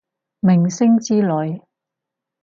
明星之類